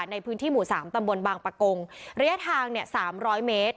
ในพื้นที่หมู่สามตำบลบางปะกงระยะทางเนี่ย๓๐๐เมตร